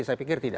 saya pikir tidak